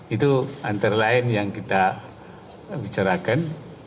itu antara lain yang kita bicarakan